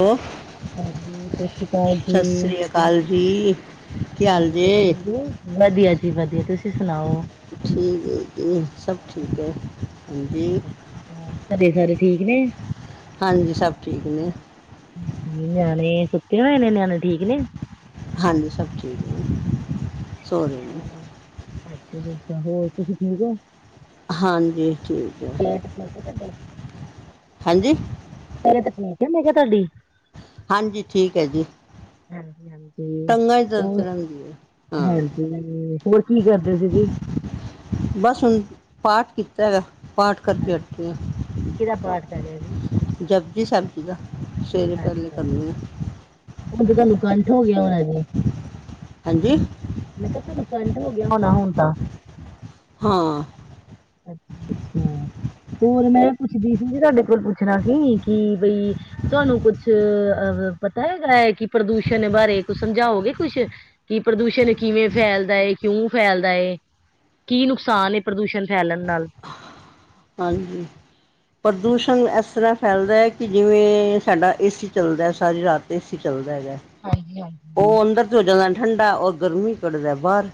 ਓ ਹਾਂਜੀ, ਸਤਿ ਸ਼੍ਰੀ ਅਕਾਲ ਜੀ, ਅਕਾਲ ਜੀ ਕੀ ਹਾਲ ਜੇ ਹੋਰ ਠੀਕ ਓ? ਵਧੀਆ ਜੀ ਵਧੀਆ, ਤੁਸੀ ਸੁਣਾਓ? ਠੀਕ ਏ ਜੀ ਸਭ ਠੀਕ ਐ। ਅੱਛਾ, ਅੱਛਾ, ਘਰੇ ਸਾਰੇ ਠੀਕ ਨੇ? ਹਾਂਜੀ-ਹਾਂਜੀ ਸਭ ਠੀਕ ਨੇ। ਨਿਆਣੇ ਸੁੱਤੇ ਹੋਏ ਨੇ ਨਿਆਣੇ ਠੀਕ ਨੇ। ਹਾਂਜੀ ਸਭ ਠੀਕ ਨੇ। ਸੋ ਰਹੇ ਨੇ ਅੱਛਾ-ਅੱਛਾ-ਅੱਛਾ ਹੋਰ ਤੁਸੀ ਠੀਕ ਓ? ਹਾਂਜੀ ਠੀਕ ਐ। [unintelligible] ਹਾਂਜੀ? ਤਵੀਅਤ ਠੀਕ ਐ ਮੈਂ ਕਿਆ ਤੁਹਾਡੀ? ਹਾਂਜੀ ਠੀਕ ਐ ਜੀ। ਹਾਂਜੀ-ਹਾਂਜੀ-ਹੋਰ-ਹਾਂਜੀ ਟੰਗਾਂ ਹੀ ਦਰਦ ਰਹਿੰਦੀ ਹੈ ਹਾਂ ਹੋਰ ਕੀ ਕਰਦੇ ਸੀ ਜੀ? ਬਸ ਹੁਣ ਪਾਠ ਕੀਤਾ ਹੈਗਾ। ਪਾਠ ਅੱਛਾ, ਕਰਕੇ ਹਟੀ ਆਂ ਕਿਹਦਾ ਪਾਠ ਕਰ ਲਿਆ ਜੀ? ਜਪਜੀ ਸੈਬ ਜੀ ਦਾ ਸਵੇਰੇ ਪੈਲੇ ਅੱਛਾ, ਕਰਨੀ ਆਂ ਹੁਣ ਤੇ ਤੁਹਾਨੂੰ ਕੰਠ ਹੋ ਗਿਆ ਹੋਣਾ ਜੀ। ਹਾਂਜੀ? ਮੈਂ ਕਿਆ ਤੁਹਾਨੂੰ ਕੰਠ ਹੋ ਗਿਆ ਹੋਣਾ ਹੁਣ ਤਾਂ। ਹਾਂ। ਅੱਛਾ-ਅੱਛਾ ਹੋਰ ਮੈਂ ਪੁੱਛਦੀ ਸੀ ਜੀ ਤੁਹਾਡੇ ਕੋਲ ਪੁੱਛਣਾ ਸੀ ਕੀ ਬਈ ਤੁਹਾਨੂੰ ਕੁਛ ਅ ਪਤਾ ਹੈਗਾ ਐ ਕੀ ਪ੍ਰਦੂਸ਼ਣ ਬਾਰੇ ਕੁ ਸਮਝਾਓਗੇ ਕੁਛ? ਕੀ ਪ੍ਰਦੂਸ਼ਣ ਕਿਵੇਂ ਫੈਲਦਾ ਏ? ਕਿਉਂ ਫੈਲਦਾ ਏ? ਕੀ ਨੁਕਸਾਨ ਏ ਪ੍ਰਦੂਸ਼ਣ ਫੈਲਣ ਨਾਲ। ਹਾਂਜੀਪ੍ਰਦੂਸ਼ਣ ਐਸਤਰਾਂ ਫੈਲਦਾ ਏ ਕੀ ਜਿਵੇਂ ਸਾਡਾ ਏ ਸੀ ਚੱਲਦਾ ਐ ਸਾਰੀ ਰਾਤ ਏ ਸੀ ਚੱਲਦਾ ਹੈਗੈ ਹਾਂਜੀ ਹਾਂ ਔ ਅੰਦਰ ਤੇ ਹੋ ਜਾਂਦਾ ਠੰਡਾ ਔਰ ਗਰਮੀ ਕੱਢਦਾ ਐ ਬਾਰ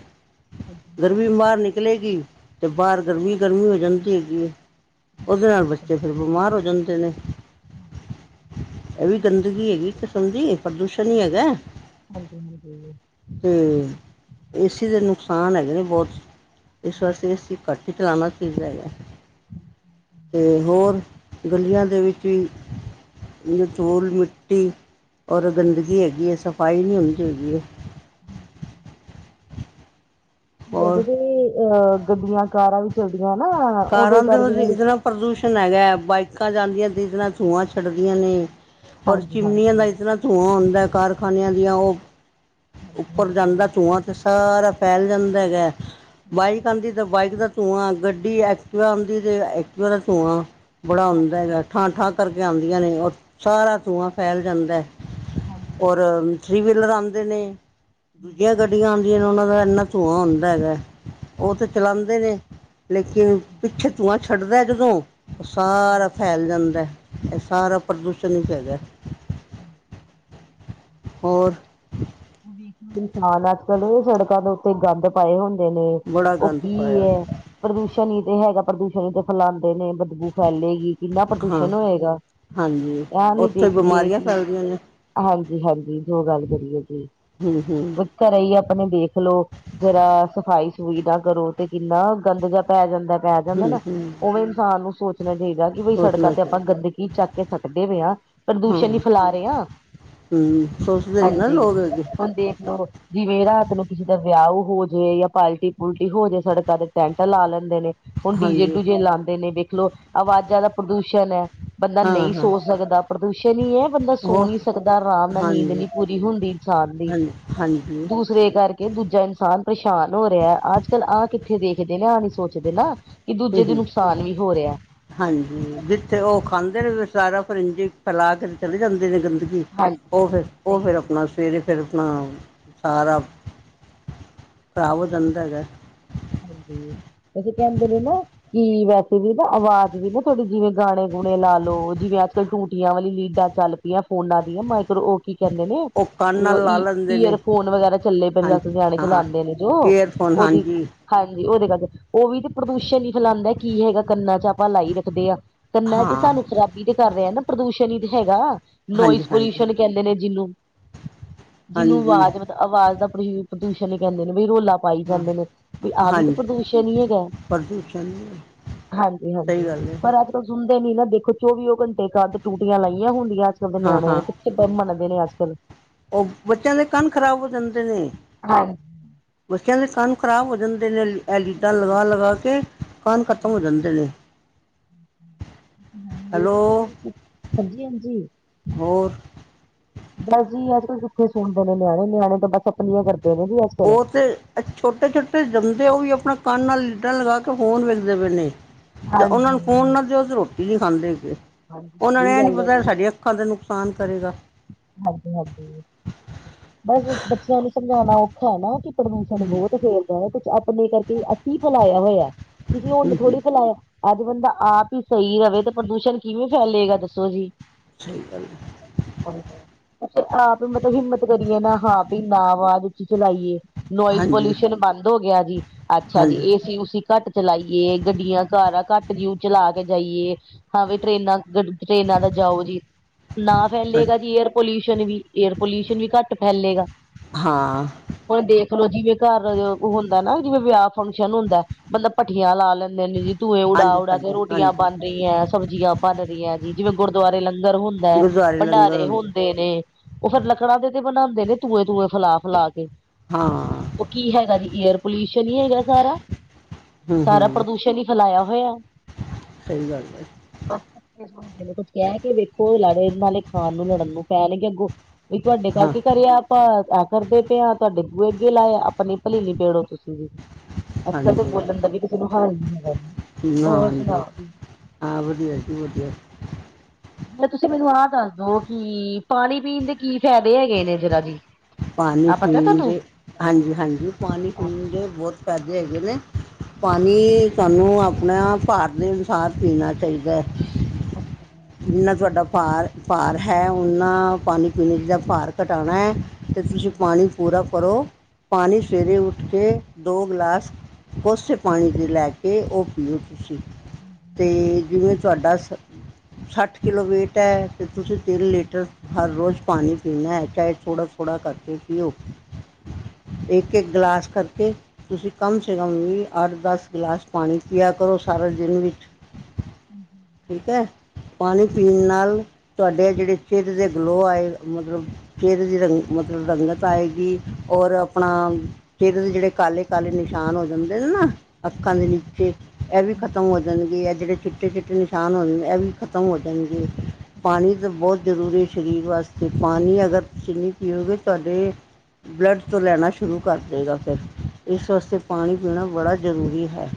ਹਾਂਜੀ ਗਰਮੀ ਬਾਰ ਨਿ ਕਲੇਗੀ ਤੇ ਬਾਰ ਗਰਮੀ-ਗਰਮੀ ਹੋ ਜਾਂਦੀ ਹੈਗੀ ਏ। ਓਦੇ ਨਾਲ ਹਾਂਜੀ ਬੱਚੇ ਫਿਰ ਬਿਮਾਰ ਹੋ ਜਾਂਦੇ ਨੇ। ਏ ਵੀ ਗੰਦਗੀ ਹੈਗੀ ਕਿਸਮ ਦੀ ਪ੍ਰਦੂਸ਼ਣ ਈ ਹੈਗੈ। ਹਾਂਜੀ-ਹਾਂਜੀ ਤੇ ਏ ਸੀ ਦੇ ਨੁਕਸਾਨ ਹੈਗੇ ਨੇ ਬੋਤ ਇਸ ਵਾਸਤੇ ਏ ਸੀ ਘੱਟ ਈ ਚਲਾਣਾ ਚਾਈਦਾ ਹੈਗੈ। ਤੇ ਹੋਰ ਗਲੀਆਂ ਦੇ ਵਿੱਚ ਵੀ ਜ ਚੂਲ ਮਿੱਟੀ ਔਰ ਗੰਦਗੀ ਹੈਗੀ ਏ ਸਫਾਈ ਨੀ ਹੁੰਦੀ ਹੈਗੀ ਏ। [inaudible] ਜਦੇ ਹੋਰ ਵੀ ਅ ਗੱਡੀਆਂ, ਕਾਰਾਂ ਵੀ ਚਲਦੀਆਂ ਨਾ ਓਦੇ ਕਾਰਾਂ ਦੇ ਕਰਰ ਵਿੱਚ ਵੀ ਇਤਨਾ ਪ੍ਰਦੂਸ਼ਣ ਹੈਗੈ ਬਾਈਕਾਂ ਜਾਂਦੀਆਂ ਜਿਸ [unintelligible] ਨਾਲ ਧੂਆਂ ਛੱਡਦੀਆਂ ਨੇ ਔਰ ਹਾਂਜੀ ਚਿਮਨੀਆਂ ਹਾਂਜੀ ਦਾ ਹਾਂਜੀ ਇਸ ਤਰਾਂ ਧੂੰਆਂ ਹੁੰਦਾ ਕਾਰਖਾਨਿਆਂ ਦੀਆਂ ਓ ਉੱਪਰ ਜਾਂਦਾ ਹਾਂਜੀ ਧੂੰਆਂ ਤੇ ਸਾਰਾ ਫੈਲ ਜਾਂਦਾ ਹੈਗਾ, ਬਾਈਕ ਆਂਦੀ ਤਾਂ ਬਾਈਕ ਦਾ ਧੂੰਆਂ ਗੱਡੀ, ਐ ਟੀਵਾ ਆਂਦੀ ਜੇ ਐਕਟਿਵਾ ਦਾ ਧੂੰਆਂ ਬੜਾ ਹਾਂਜੀ ਹੁੰਂਦਾ ਹੈਗਾ ਹਾਂਜੀ ਠਾਂ-ਠਾਂ ਕਰਕੇ ਆਉਂਦੀਆਂ ਨੇ ਔਰ ਸਾਰਾ ਧੂੰਆਂ ਫੈਲ ਜਾਂਦਾ ਔਰ ਹਾਂਜੀ ਥ੍ਰਰੀ ਵੀਲਰ ਆਂਦੇ ਨੇ ਦੂਜੀਆਂ ਗੱਡੀਆਂ ਆਂਦੀਆਂ ਨੇ ਉਨਾਂ ਦਾ ਇੰਨਾ ਧੂੰਆਂ ਹੁੰਦਾ ਹੈਗਾ। ਓ ਤੇ ਚਲਾਂਦੇ ਨੇ ਲੇਕਿਨ ਪਿੱਛੇ ਤੂੰਆਂ ਛੱਡਦੈ ਜਦੋਂ ਓ ਸਾਰਾ ਫੈਲ ਜਾਂਦੈ ਏ ਸਾਰਾ ਪ੍ਰਦੂਸ਼ਣ ਈ ਹੈਗੈ। [inaudible] ਹੋਰ? ਉਹ ਵੇਖਣ ਇਨਸਾਨ ਆ, ਅੱਜ-ਕੱਲ ਸੜਕਾਂ ਤੋਂ ਤੇ ਗੰਦ ਪਾਏ ਹੁੰਦੇ ਨੇ, ਬੜਾ ਉਹ ਗੰਦ ਪਾਇਆ ਕੀ ਐ ਉਹਨੇ ਪ੍ਰਦੂਸ਼ਣ ਹੀ ਤੇ ਹੈਗਾ, ਪ੍ਰਦੂਸ਼ਣ ਹੀ ਤੇ ਫੈਲਾਦੇ ਨੇ। ਬੂ ਫੈਲੇਗੀ, ਕਿੰਨਾ ਹਾਂ ਪ੍ਰਦੂਸ਼ਣ ਹੋਏਗਾ, ਹਾਂਜੀ ਐ ਨੀ ਉੱਥੇ ਦੇਖਦੇ ਬਿਮਾਰੀਆਂ ਕਿ ਫੈਲਦੀਆਂ ਨੇ ਹਾਂਜੀ ਹਾਂਜੀ, ਜੋ ਗੱਲ ਕਰੀਏ ਜੀ। ਹੂੰ ਹੂੰ। ਘਰੇ ਹੀ ਆਪਣੇ ਦੇਖਲੋ, ਜ਼ਰਾ ਸਫ਼ਾਈ ਸਫੁਈ ਨਾ ਕਰੋ ਤੇ ਕਿੰਨਾ ਗੰਦ ਜ ਪੈ ਜਾਂਦਾ ਪੈ ਜਾਂਦਾ ਹੂੰ ਨਾ, ਹੂੰ ਓਵੇਂ ਇਨਸਾਨ ਨੂੰ ਸੋਚਣਾ ਚਾਹੀਦਾ ਕਿ ਬਈ ਸੜਕਾਂ ਸੋਚਣਾ ਤੇ ਆਪਾਂ ਚਾਹੀਦਾ ਗੰਦਗੀ ਕੀ ਚੱਕ ਕੇ ਸਕਦੇ ਪਏ ਆ, ਹਾਂ ਪ੍ਰਦੂਸ਼ਣ ਹੀ ਫੈਲਾ ਰਹੇ ਆ। ਹੂੰ, ਸੋਚਦੇ ਨਹੀਂ ਨਾ ਲੋਕ ਅੱਗੇ। ਹੁਣ ਦੇਖ ਲਓ ਜਿਵੇਂ ਰਾਤ ਨੂੰ ਕਿਸੇ ਦਾ ਵਿਆਹ ਹੋਜੇ ਜਾਂ ਪਾਲਟੀ ਪੂਲਟੀ ਹੋਜੇ, ਸੜਕਾਂ ਤੇ ਟੈਂਟ ਲਾ ਲੈਂਦੇ ਨੇ। ਹੁਣ ਡੀ-ਜੇ ਹਾਂਜੀ ਡੂ-ਜੇ ਲਾਂਦੇ ਨੇ, ਦੇਖਲੋ ਆਵਾਜ਼ਾਂ ਦਾ ਪ੍ਰਦੂਸ਼ਣ ਐ। ਬੰਦਾ ਹਾਂ ਨਹੀਂ ਹਾਂ ਸੋ ਸਕਦਾ, ਪ੍ਰਦੂਸ਼ਣ ਹੀ ਐ ਬੰਦਾ ਸੋ ਉਹ ਨਹੀਂ ਸਕਦਾ, ਆਰਾਮ ਨਾਲ ਨੀਂਦ ਹਾਂਜੀ ਨਹੀਂ ਪੂਰੀ ਹੁੰਦੀ। [inaudible] ਦੂ ਹਾਂਜੀ ਹਾਂਜੀ ਦੂਸਰੇ ਕਰਕੇ ਦੂਜਾ ਇਨਸਾਨ ਪਰੇਸ਼ਾਨ ਹੋ ਰਿਹਾ, ਅੱਜ-ਕੱਲ ਆਹ ਕਿੱਥੇ ਦੇਖਦੇ ਨੇ, ਆਹ ਨੀ ਸੋਚਦੇ ਨਾ। ਕਿ ਦੂਜੇ ਹੂੰ ਦੇ ਹੂੰ ਨੁਕਸਾਨ ਵੀ ਹੋ ਰਿਹਾ। ਤੇ ਉਹ ਖਾਂਦੇ ਨੇ, ਵਿਚ ਸਾਰਾ ਫਿਰ ਇੰਝ ਫੈਲਾ ਕੇ ਚਲੇ ਜਾਂਦੇ ਨੇ ਗੰਦਗੀ। ਹੂ, ਹਾਂਜੀ ਉਹ ਫਿਰ ਹਾਂਜੀ ਉਹ ਸਹੀ ਫਿਰ ਗੱਲ ਆਪਣਾ ਸਵੇਰੇ ਫਿਰ ਆਪਣਾ ਸਾਰਾ ਖ਼ਰਾਬ ਹੋ ਜਾਂਦਾ ਹੈਗਾ। ਹਾਂਜੀ, ਤੁਸੀਂ ਕਹਿੰਦੇ ਜੇ ਨਾ ਕਿ ਵੈਸੇ ਵੀ ਨਾ ਆਵਾਜ਼ ਵੀ ਨਾ ਥੋੜੇ ਜਿਵੇਂ ਗਾਣੇ ਗੁਣੇ ਲਾ ਲਓ, ਜਿਵੇਂ ਅੱਜ-ਕੱਲ ਟੂਟੀਆਂ ਵਾਲੀ ਲੀਡਾਂ ਚੱਲ ਪਈਆ ਫ਼ੋਨਾਂ ਦੀਆਂ, ਮਾਈਕਰੋ ਓ ਕੀ ਕਹਿੰਦੇ ਨੇ ਉਹ ਕੰਨ ਨਾਲ ਲਾ ਈ ਲੈਂਦੇ ਨੇ ਈਅਰ ਫ਼ੋਨ ਵਗੈਰਾ ਚੱਲੇ ਪਏ ਆ, ਹਾਂਜੀ ਨਿਆਣੇ ਹਾਂ ਚਲਾਂਦੇ ਨੇ। ਜੋ ਏਅਰਫੋਨ ਉਹਦੀ ਹਾਂਜੀ ਹਾਂਜੀ ਉਹਦੇ ਕਰਕੇ, ਉਹ ਵੀ ਤਾਂ ਪ੍ਰਦੂਸ਼ਣ ਹੀ ਫੈਲਾਦਾ, ਕੀ ਹੈਗਾ ਕੰਨਾਂ ਚ ਆਪਾਂ ਲਾਈ ਰੱਖਦੇ ਆ। ਕੰਨਾ ਚ ਹਾਂ ਸਾਨੂੰ ਖਰਾਬੀ ਤੇ ਕਰ ਰਿਹਾ ਨਾ, ਪ੍ਰਦੂਸ਼ਣ ਹੀ ਤੇ ਹੈਗਾ, ਨੋਇਜ਼ ਹਾਂਜੀ ਹਾਂਜੀ ਪੋਲਿਊਸ਼ਨ ਕਹਿੰਦੇ ਨੇ ਜਿਹਨੂੰ, ਜਿਹਨੂੰ ਹਾਂਜੀ ਆਵਾਜ਼ ਆਵਾਜ਼ ਦਾ ਪ੍ਰ ਪ੍ਰਦੂਸ਼ਣ ਕਹਿੰਦੇ। ਵੀ ਰੋਲਾ ਪਾਈ ਹਾਂ ਜਾਂਦੇ ਨੇ, ਵੀ ਆਹ ਵੀ ਤਾਂ ਹਾਂਜੀ ਪ੍ਰਦੂਸ਼ਣ ਹੀ ਹੈਗਾ। ਪ੍ਰਦੂਸ਼ਣ ਹਾਂਜੀ ਸਹੀ ਹਾਂਜੀ, ਗੱਲ ਹੈ ਪਰ ਅੱਜ ਕੱਲ ਸੁਣਦੇ ਨੀ ਨਾ, ਦੇਖੋ ਚੌਵੀਓ ਘੰਟੇ ਕੱਦ ਟੂਟੀਆਂ ਲਾਈਆਂ ਹੁੰਦੀਆਂ ਅੱਜ ਕੱਲ੍ਹ ਦੇ ਹਾਂ ਨਿਆਣੀਆਂ ਨੇ। ਹਾਂ ਕਿੱਥੇ ਮੰਨਦੇ ਨੇ ਅੱਜ ਕੱਲ੍ਹ। ਉਹ ਬੱਚਿਆਂ ਦੇ ਕੰਨ ਖ਼ਰਾਬ ਹੋ ਜਾਂਦੇ ਨੇ। ਹਾਂਜੀ ਬੱਚਿਆਂ ਦੇ ਕੰਨ ਖ਼ਰਾਬ ਹੋ ਜਾਂਦੇ ਨੇ। ਐ ਲੀਡਾ ਲਗਾ ਲਗਾ ਕੇ ਕੰਨ ਖ਼ਤਮ ਹੋ ਜਾਂਦੇ ਨੇ। ਨਹੀਂ ਇਹ ਵੀ ਹੈਲੋ ਕਰ ਹਾਂਜੀ ਹਾਂਜੀ। ਹੋਰ ਬਸ ਜੀ ਅੱਜ-ਕੱਲ ਕਿੱਥੇ ਸੁਣਦੇ ਨੇ ਨਿਆਣੇ, ਨਿਆਣੇ ਤਾਂ ਬਸ ਆਪਣੀਆਂ ਕਰਦੇ ਨੇ ਜੀ। ਕੱਲ੍ਹ ਉਹ ਤੇ ਛੋਟੇ ਛੋਟੇ ਜੰਮਦੇ ਉਹ ਵੀ ਆਪਣਾ ਕੰਨ ਨਾਲ ਲੀਡਾਂ ਲਗਾ ਕੇ ਫ਼ੋਨ ਵੇਖਦੇ ਪਏ ਨੇ। ਜਾ ਉਹਨਾਂ ਹਾਂਜੀ ਨੂੰ ਫ਼ੋਨ ਨਾ ਦਿਓ ਤੇ ਰੋਟੀ ਨੀ ਖਾਂਦੇ ਹੈਗੇ, ਹਾਂਜੀ ਉਹਨਾਂ ਨੂੰ ਸਹੀ ਇਹ ਨੀ ਗੱਲ ਹੈ ਪਤਾ ਜੀ ਸਾਡੀਆਂ ਅੱਖਾਂ ਤੇ ਨੁਕਸਾਨ ਕਰੇਗਾ। ਹਾਂਜੀ ਹਾਂਜੀ। ਬਸ ਜੀ, ਬੱਚਿਆਂ ਨੂੰ ਸਮਝਾਉਣਾ ਔਖਾ ਹੈ ਨਾ ਕਿ ਪ੍ਰਦੂਸ਼ਣ ਨੂੰ ਬਹੁਤ ਫੈਲਦਾ ਆ, ਕੁਛ ਆਪਣੇ ਕਰਕੇ ਅਸੀਂ ਫੈਲਾਇਆ ਹੋਇਆ, ਕਿਸੀ ਹੋਰ ਨੇ ਹੂੰ ਹੂੰ ਥੋੜੀ ਫੈਲਾਇਆ। ਅੱਜ਼ ਬੰਦਾਂ ਆਪ ਹੀ ਸਹੀ ਰਵੇ ਤੇ ਪ੍ਰਦੂਸ਼ਣ ਕਿਵੇਂ ਫੈਲੇਗਾ ਦੱਸੋਂ ਜੀ। ਸਹੀ ਗੱਲ ਹਾਂਜੀ, ਆਪ ਮਤਲਬ ਹਿੰਮਤ ਕਰੀਏ ਨਾ ਹਾਂ ਪੀ ਨਾ ਵਾਜ਼ ਚ ਚਲਾਈਏ ਨੋਇਜ਼ ਹਾਂਜੀ ਪੋਲਿਊਸ਼ਨ ਬੰਦ ਹੋ ਗਿਆ ਜੀ, ਅੱਛਾ ਜੀ ਹਾਂਜੀ ਏਸੀ ਓਸੀ ਘੱਟ ਚਲਾਈਏ ਗੱਡੀਆਂ -ਕਾਰਾਂ ਘੱਟ ਕਿਊ ਚਲਾ ਕੇ ਜਾਈਏ। ਹਾਂ ਵੀ ਟ੍ਰਰੇਨਾਂ ਗ ਟਰੇਨਾਂ ਦਾ ਜਾਓ ਜੀ, ਨਾ ਹਾਂਜੀ ਫੈਲੇਗਾ ਜੀ, ਏਅਰ ਪੋਲਿਊਸ਼ਨ ਵੀ ਏਅਰ ਪੋਲਿਊਸ਼ਨ ਵੀ ਘੱਟ ਫੈਲੇਗਾ। ਹਾਂ। ਹੁਣ ਦੇਖ ਲਓ ਜਿਵੇਂ ਘਰ ਉਹ ਹੁੰਦਾ ਨਾ ਜਿਵੇਂ ਵਿਆਹ ਫੰਕਸ਼ਨ ਹੁੰਦਾਂ ਮਤਲਬ ਭੱਠੀਆਂ ਲਾ ਲੈਂਦੇ ਨੇ ਜੀ, ਧੂੰਏ ਉਡਾ- ਹਾਂਜੀ ਉਡਾ ਕੇ ਹਾਂਜੀ ਰੋਟੀਆਂ ਬਣ ਹਾਂਜੀ ਰਹੀਂ ਐ, ਸਬਜ਼ੀਆਂ ਬਣ ਰਹੀਆਂ ਜੀ ਜਿਵੇਂ ਗੁਰਦੁਆਰੇ ਲੰਗਰ ਹੁੰਦਾਂ ਐ, ਗੁਰਦੁਆਰੇ ਲੰਗਰ ਭੰਡਾਰੇ ਹੁੰਦੇ ਨੇਂ। ਉਹ ਫਿਰ ਲੱਕੜਾਂ ਦੇ ਤੇ ਬਣਾਦੇ ਨੇ ਧੂਏਂ- ਧੂਏਂ ਫੈਲਾ -ਫੈਲਾ ਕੇ। ਹਾਂ ਉਹ ਕੀ ਹੈਗਾ ਜੀ ਏਅਰ ਪੋਲਿਊਸ਼ਨ ਹੀ ਹੈਗਾ ਸਾਰਾ ਹੂੰ -ਸਾਰਾ ਹੂੰ ਪ੍ਰਦੂਸ਼ਣ ਹੀ ਫੈਲਾਇਆ ਹੋਇਆਂ ਸਹੀ ਗੱਲ ਏ। [inaudible] ਕੁੱਛ ਕਹਿ ਕੇ ਵੇਖੋ ਲੜਨ ਵਾਲੇ ਖ਼ਾਣ ਨੂੰ ਲੜਨ ਨੂੰ ਪੈਂਣਗੇ ਅੱਗੋਂ ਵੀ ਤੁਹਾਡੇ ਹਾਂ ਕੀ ਕਰਏ ਆਪਾਂ ਐ ਕਰਦੇ ਪਏ ਆ ਤੁਹਾਡੇ ਬੂਹੇ ਅੱਗੇ ਲਾਏ ਆ, ਆਪਣੀ ਭਲੀਵੀ ਪੇੜੋ ਤੁਸੀਂ ਵੀ ਅੱਜ਼ -ਕਲ ਤਾਂ ਹਾਂਜੀ ਬੋਲਣ ਦਾ ਵੀ ਕਿਸੇ ਨੂੰ ਹਾਲ ਨੀ ਹੈਗਾ, ਹੋਰ ਹਾਂਜੀ ਸੁਣਾਓ। ਹਾਂ ਵਧੀਆਂ ਜੀ ਵਧੀਆਂ। ਫੇਰ ਤੁਸੀਂ ਮੈਂਨੂੰ ਆਹ ਦੱਸਦੋ ਕਿ ਪਾਨੀ ਪੀਣ ਦੇ ਕੀ ਫਾਇਦੇ ਹੈਗੇ ਨੇ ਜ਼ਰਾ ਜੀ। ਪਾਣੀ ਆਹ ਪਤਾ ਪੀਣ ਤੁਹਾਨੂੰ? ਦੇ ਹਾਂਜੀ- ਹਾਂਜੀ ਪਾਣੀ ਅੱਛਾ ਪੀਣ ਦੇ ਬਹੁਤ ਫਾਇਦੇ ਹੈਗੇ ਨੇਂ। ਪਾਣੀ ਤੁਹਾਂਨੂੰ ਆਪਣਾਂ ਭਾਰ ਦੇ ਅਨੁਸਾਰ ਪੀਣਾ ਚਾਹੀਂਦਾ ਏਂ। [inaudible] ਜਿੰਨਾ ਤੁਹਾਡਾ ਭਾਰ- ਭਾਰ ਹੈਂ ਓਨਾ ਪਾਣੀ ਪੀਣਾ ਜਿੱਦਾਂ ਭਾਰ ਘਟਾਣਾ ਐ। ਤੇ ਤੁਸੀਂ ਪਾਣੀ ਪੂਰਾ ਕਰੋਂ, ਪਾਣੀ ਸਵੇਰੇ ਉੱਠ ਕੇ ਦੋ ਗਿਲਾਸ। ਕੋਸੇ ਪਾਣੀ ਦੇ ਲੈ ਕੇ ਉਹ ਪੀਓ ਤੁਸੀਂ। ਤੇ ਜਿਵੇਂ ਤੁਹਾਡਾ ਸ ਸੱਠ ਕਿਲੋ ਵੇਟ ਐ, ਤੇ ਤੁਸੀਂ ਤਿੰਨ ਲੀਟਰ ਹਰ ਰੋਜ਼ ਪਾਣੀ ਪੀਣਾ ਐ ਚਾਹੇਂ ਥੋੜਾਂ ਥੋੜਾਂ ਜੀ। ਕਰਕੇ ਪੀਓ, ਇੱਕ- ਇੱਕ ਗਲਾਸ ਕਰਕੇ ਤੁਸੀਂ ਕਮ ਸੇ ਕਮ ਵੀ ਅੱਠ ਦਸ ਗਲਾਸ ਪਾਣੀ ਪੀਆ ਕਰੋਂ ਸਾਰਾ ਦਿਨ ਵਿੱਚ ਠੀਕ ਐ ਪਾਣੀ ਪੀਣ ਨਾਲ਼ ਤੁਹਾਡੇ ਜਿਹੜੇ ਚਿਹਰੇ ਤੇ ਗਲੋ ਆਏਂ ਮਤਲਬ ਚਹਿਰਾ ਜਿਹੜਾਂ ਮਤਲਬ ਰੰਗਤ ਆਏਂਗੀ, ਔਰ ਆਪਣਾਂ ਚਿਹਰੇ ਤੇ ਜਿਹੜੇ ਕਾਲੇ -ਕਾਲੇ ਨਿਸ਼ਾਨ ਹੋ ਜਾਂਦੇ ਨੇ ਨਾ ਅੱਖਾਂ ਦੇ ਨੀਚੇ ਐਹ ਵੀ ਖਤਮ ਹੋ ਜਾਂਣਗੇ, ਐਹ ਜਿਹੜੇ ਚਿੱਟੇ- ਚਿੱਟੇ ਨਿਸ਼ਾਨ ਹੁੰਦੇ ਐਹ ਵੀ ਖ਼ਤਮ ਹੋ ਜਾਂਣਗੇ। ਪਾਣੀ ਤਾਂ ਬਹੁਤ ਜ਼ਰੂਰੀ ਸ਼ਰੀਰ ਵਾਸਤੇ ਪਾਣੀ ਅਗਰ ਤੁਸੀਂ ਨਹੀਂ ਪੀਓਗੇ ਤੁਹਾਡੇ ਬਲੱਡ ਤੋਂ ਲੈਣਾਂ ਸ਼ੁਰੂ ਕਰਦੇਗਾ ਫੇਰ। ਇਸ ਵਾਸਤੇ ਪਾਣੀ ਪੀਣਾ ਬੜਾਂ ਜ਼ਰੂਰੀ ਹੈ।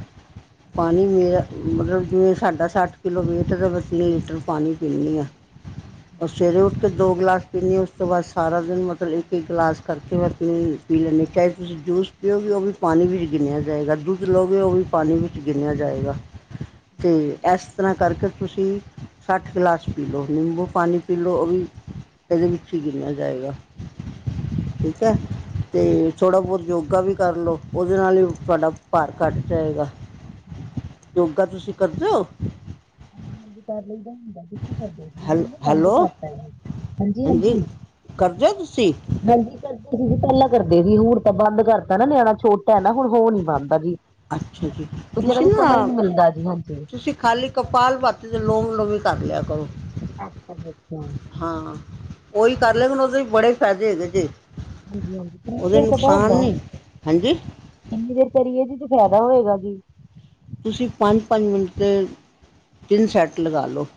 ਪਾਣੀ ਮੇਰਾ ਮਤਲਬ ਜਿਵੇਂ ਸਾਡਾ ਸੱਠ ਕਿੱਲੋ ਵੇਟ ਐ ਤੇ ਤੀਨ ਲੀਟਰ ਪਾਣੀ ਪੀਂਣੀ ਆਂ। ਓਰ ਸਵੇਰੇ ਉੱਠ ਕੇ ਦੋ ਗਲਾਸ ਪੀਣੀ ਆ ਉਸ ਤੋਂ ਬਾਅਦ ਸਾਰਾ ਦਿਨ ਮਤਲਬ ਇੱਕ- ਇੱਕ ਗਲਾਸ ਕਰਕੇ ਮੈਂ ਪੀਣ ਪੀ ਲੈਂਣੀ, ਚਾਹੇ ਤੁਸੀਂ ਜੂਸ ਪੀਓਗੇ ਉਹ ਵੀ ਪਾਣੀ ਵਿੱਚ ਗਿਣਿਆਂ ਜਾਏਂਗਾ, ਦੁੱਧ ਲਓਗੇ ਉਹ ਵੀ ਪਾਣੀ ਵਿੱਚ ਗਿਣਿਆਂ ਜਾਏਂਗਾ। ਤੇ ਐਸ ਤਰ੍ਹਾਂ ਕਰ -ਕਰ ਤੁਸੀਂ ਸੱਠ ਗਲਾਸ ਪੀ ਲੋ ਨਿੰਬੂ ਪਾਣੀ ਪੀ ਲਓ ਉਹ ਵੀ ਇਹਦੇ ਵਿੱਚ ਹੀ ਗਿਨਿਆਂ ਜਾਏਗਾ ਠੀਕ ਹੈ? ਤੇ ਥੋੜ੍ਹਾ ਬਹੁਤ ਯੋਗਾ ਵੀ ਕਰ ਲਉ, ਉਹਦੇ ਨਾਲ ਹੀ ਤੁਹਾਡਾ ਭਾਰ ਘੱਟ ਜਾਏਗਾ। ਯੋਗਾ ਤੁਸੀਂ ਕਰਦੇ ਹੋ? ਹਾਂਜੀ -ਹਾਂਜੀ। ਕਰ ਲਈਦਾ ਹੁੰਦਾ, ਕਰ ਹੈਲ ਨਾ ਬੰਦ ਹੈਲੋ ਕਰਤਾ, ਹਾਂਜੀ -ਹਾਂਜੀ। ਕਰਦੇ ਹੋ ਤੁਸੀਂ? ਹਾਂਜੀ, ਕਰਦੇ ਸੀ ਜੇ ਪਹਿਲਾਂ ਕਰਦੇ ਸੀ ਹੁਣ ਤਾਂ ਬੰਦ ਕਰਤਾ ਨਾ ਨਿਆਣਾ ਛੋਟਾ ਤਾਂ ਨਾ ਹੁੱਣ ਹੋ ਨੀ ਪਾਂਦਾ ਜੀ, ਅੱਛਾ ਜੀ ਕੁਝ ਇਹਨਾਂ ਤੁਸੀਂ ਦੀ ਸਮਾਂ ਹੀ ਨਾ ਨੀ ਮਿਲਦਾ ਜੀ ਹਾਂਜੀ। ਤੁਸੀਂ ਖਾਲੀ ਕਪਾਲ ਭਾਰਤੀ ਚ ਲੋਮ ਵਿਲੋਮ ਹੀ ਕਰ ਲਿਆ ਕਰੋ। ਅੱਛਾ- ਅੱਛਾ। ਹਾਂ ਉਹੀ ਕਰ ਲਿਆ ਕਰੋ ਉਹਦੇ ਹੀ ਬੜੇ ਫਾਇਦੇ ਹੈਗੇ ਜੇ। ਹਾਂਜੀ ਹਾਂਜੀ ਕਿੰਨੀ ਉਹਦੇ ਦੇਰ ਨੁਕਸਾਨ ਨੀ, ਹਾਂਜੀ? ਇੰਨੀ ਦੇਰ ਕਰੀਏ ਤੇ ਫਾਇਦਾ ਹੋਏਗਾ ਜੀ। ਤੁਸੀਂ ਪੰਜ -ਪੰਜ ਮਿੰਟ ਦੇ ਤਿੰਨ ਸੈੱਟ ਲਗਾ ਲਓ।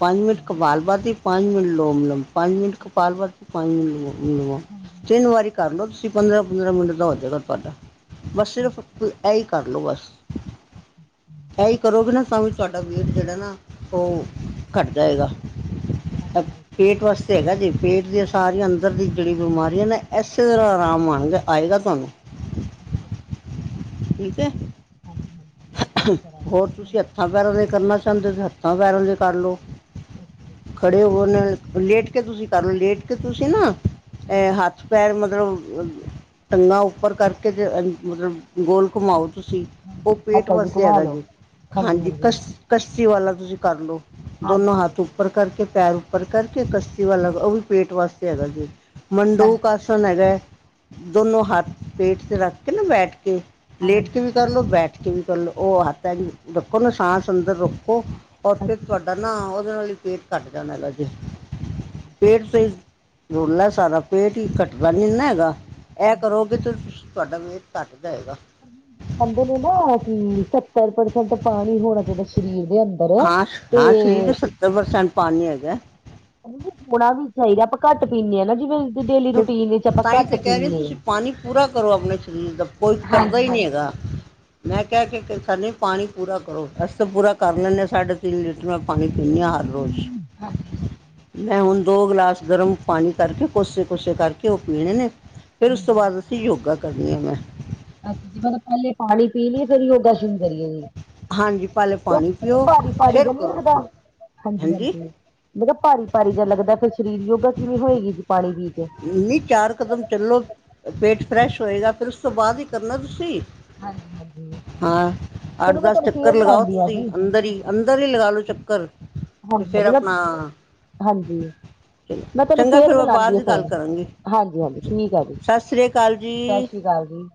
ਪੰਜ ਮਿੰਟ ਅੱਛਾ ਜੀ ਕਪਾਲ ਅੱਛਾ। ਬਾਤੀ ਪੰਜ ਮਿੰਟ ਲੋਮ ਵਿਲੇਮ ਪੰਜ ਮਿੰਟ ਕਪਾਲ ਬਾਤੀ ਪੰਜ ਮਿੰਟ ਲੋਮ ਵਿਲੋਮ। ਤਿੰਨ ਵਾਰੀ ਕਰ ਲਓ ਤੁਸੀਂ ਪੰਦਰਾਂ- ਪੰਦਰਾਂ ਮਿੰਟ ਦਾ ਹੋ ਜਾਏਗਾ ਤੁਹਾਡਾ, ਬਸ ਸਿਰਫ ਇ ਹੀ ਕਰ ਲਓ ਬਸ। ਹਮ ਇਹੀ ਕਰੋਗੇ ਨਾ ਤਾਂ ਵੀ ਤੁਹਾਡਾ ਵੇਟ ਜਿਹੜਾ ਨਾ ਉਹ ਘੱਟ ਜਾਏਗਾ। ਅੱਛਾ ਜੀ ਪੇਟ ਵਾਸਤੇ ਹੈਗਾ ਜੀ, ਪੇਟ ਦੀਆਂ ਸਾਰੀਆਂ ਅੰਦਰ ਦੀ ਜਿਹੜੀ ਬਿਮਾਰੀ ਹੈ ਨਾ, ਇਸੇ ਤਰ੍ਹਾਂ ਆਰਾਮ ਆਇਗਾ। ਆਏਗਾ ਤੁਹਾਨੂੰ। ਅੱਛਾ ਜੀ। ਠੀਕ ਹੈ? ਹਾਂਜੀ -ਹਾਂਜੀ। ਅਸੀਂ ਕਰਾਂਗੇ ਹੋਰ ਜੀ ਹੁਣ। ਤੁਸੀਂ ਹੱਥਾਂ ਪੈਰਾਂ ਦੇ ਕਰਨਾ ਚਾਹੁੰਦੇ ਹੋ, ਤੇ ਹੱਥਾਂ ਪੈਰਾਂ ਦੇ ਕਰਲੋ। ਖੜੇ ਹੋ ਲੇਟ ਕੇ ਤੁਸੀਂ ਕਰ ਲੋ, ਲੇਟ ਕੇ ਤੁਸੀਂ ਨਾ ਇਹ ਹੱਥ ਪੈਰ ਮਤਲਬ ਟੰਗਾਂ ਉੱਪਰ ਕਰਕੇ ਜੇ ਮਤਲਬ ਗੋਲ ਘੁਮਾਓ ਤੁਸੀਂ। ਉਹ ਹਾਂਜੀ ਪੇਟ ਸਾਈਕਲ ਜੀ ਵਾਸਤੇ ਘੁਮਾ ਹੈਗਾ ਲੋ ਜੇ। ਹਾਂਜੀ, ਕਸ਼ ਕੱਸ਼ਤੀ ਵਾਲਾ ਤੁਸੀਂ ਕਰ ਲਓ ਦੋਨੋ ਹਾਂਜੀ ਹਾਂਜੀ ਹੱਥ ਹਾਂਜੀ ਉੱਪਰ ਕਰਕੇ, ਪੈਰ ਉੱਪਰ ਕਰਕੇ, ਕਸ਼ਤੀ ਵਾਲਾ ਉਹ ਵੀ ਪੇਟ ਵਾਸਤੇ ਹੈਗਾ ਜੇ ਹਾਂ, ਮੰਡੋ ਕ ਹੈਗਾ, ਦੋਨੋ ਹੱਥ ਪੇਟ ਤੇ ਰੱਖ ਕੇ ਨਾ ਬੈਠ ਕੇ ਲੇਟ ਹਾਂਜੀ ਕੇ ਵੀ ਹਾਂਜੀ ਕਰਲੋ, ਬੈਠ ਕੇ ਵੀ ਕਰਲੋ, ਉਹ ਹੱਥ ਰੱਖੋ ਨਾ ਸਾਸ ਅੰਦਰ ਰੱਖੋ ਔਰ ਫਿਰ, ਤੁਹਾਡਾ ਨਾ ਉਹਦੇ ਨਾਲ ਹੀ ਪੇਟ ਘੱਟ ਜਾਣਾ ਜੇ ਪੇਟ ਤੇ ਰੌਲਾ ਸਾਰਾ ਪੇਟ ਹੀ ਘੱਟਦਾ ਨੀ ਨਾ ਹੈਗਾ, ਇਹ ਕਰੋਗੇ ਤੇ ਤੁਸੀਂ ਤੁਹਾਡਾ ਵੇਟ ਘੱਟ ਜਾਏਗਾ। ਕਹਿੰਦੇ ਨੇ ਨਾ ਕਿ ਸੱਤਰ ਪਰਸੈਂਟ ਪਾਣੀ ਹੋਣਾ ਚਾਹੀਦਾ ਸਰੀਰ ਦੇ ਅੰਦਰ ਅੰਦਰ ਤੇ ਡਬਲ ਪਰਸੈਂਟ ਪਾਣੀ ਹੈਗਾ। ਹੋਣਾ ਵੀ ਚਾਹੀਦਾ, ਆਪਾਂ ਘੱਟ ਪੀਂਦੇ ਹਾਂ ਨਾ ਜਿਵੇਂ ਡੇਲੀ ਫਿਰ ਰੂਟੀਨ ਵਿੱਚ ਆਪਾਂ ਤਾਂ ਹੀ ਘੱਟ ਤੇ ਕਹਿ ਰਹੀ ਪੀਂਦੇ, ਤੁਸੀਂ ਪਾਣੀ ਪੂਰਾ ਕਰੋ ਆਪਣੇ ਸਰੀਰ ਦਾ ਕੋਈ ਕਰਦਾ ਹਾਂਜੀ ਹੀ ਨਹੀਂ -ਹਾਂਜੀ! ਹ ਹੈਗਾ [unintelligible] ਮੈਂ ਕਿਹਾ ਕੇ ਨਹੀਂ ਪਾਣੀ ਪੂਰਾ ਕਰੋ, ਅਸੀ ਤਾਂ ਪੂਰਾ ਕਰ ਲੈਂਦੇ ਹਾਂ ਸਾਢੇ ਤਿੰਨ ਲੀਟਰ। ਮੈਂ ਪਾਣੀ ਪੀਨੀ ਆ ਹਰ ਰੋਜ਼। ਹਾਂਜੀ ਮੈਂ ਹੁਨ ਦੋ ਗਲਾਸ ਗਰਮ ਪਾਨੀ ਕਰਕੇ ਕੋਸੇ ਕੋਸੇ ਕਰਕੇ ਔ ਪੀਣੇ ਨੇ ਫੇਰ ਉਸ ਤੋਂ ਬਾਦ ਅਸੀਂ ਯੋਗਾ ਕਰਨੀ ਆ ਮੈਂ। ਅੱਛਾ ਜੀ, ਮਤਲਬ ਪੈਲੇ ਪਾਣੀ ਪੀ ਲੀਏ ਫੇਰ ਯੋਗਾ ਸ਼ੁਰੂ ਕਰੀਏ ਜੀ। ਹਾਂਜੀ ਪਹਿਲੇ ਔ ਪਾਣੀ ਪੀਓ ਭਾਰੀ-ਭਾਰੀ ਫਿਰ ਜਾ ਨਈ ਕਰੋ ਲਗਦਾ ਹਾਂਜੀ ਹਾਂਜੀ-ਹਾਂਜੀ। ਮੈ ਕਿਆ ਭਾਰੀ-ਭਾਰੀ ਜਾ ਲੱਗਦਾ ਫੇਰ ਸ਼ਰੀਰ ਯੋਗਾ ਕਿਵੇਂ ਹੋਏਗੀ ਜੀ ਪਾਣੀ ਪੀ ਕੇ। ਨੀ ਚਾਰ ਕਦਮ ਚੱਲੋ ਪੇਟ ਫਰੈਸ਼ ਹੋਏਗਾ ਫੇਰ ਉਸ ਤੋਂ ਬਾਦ ਈ ਕਰਨਾ ਤੁਸੀਂ। ਹਾਂਜੀ ਹਾਂਜੀ ਹਾਂ, ਚਲੋ ਮੈਂ ਅੱਠ-ਦਸ ਤੁਹਾਨੂੰ ਚੱਕਰ ਫੇਰ ਲਗਾਓ ਲਾਉਂਦੀ ਆ ਤੁਸੀਂ ਜੀ। ਅੰਦਰ ਈ। ਅੰਦਰ ਈ ਲਗਾ ਲੋ ਚੱਕਰ। ਤੇ ਹਾਂਜੀ ਫੇਰ ਹਾਂਜੀ ਮੈਂ ਆਪਣਾ ਹਾਂਜੀ ਮੈਂ ਤੁਹਾਨੂੰ ਚੰਗਾ ਫੇਰ ਮੈਂ ਮਿਲਾਂਦੀ ਬਾਦ ਆ 'ਚ ਗੱਲ ਫੋਨ। ਕਰਾਂਗੀ। ਹਾਂਜੀ ਹਾਂਜੀ ਠੀਕ ਆ ਜੀ। ਸਤ ਸ੍ਰੀ ਕਾਲ ਜੀ। ਸਤਿ ਸ਼੍ਰੀ ਅਕਾਲ ਜੀ।